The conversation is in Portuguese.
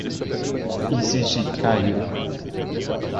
Isis e Caio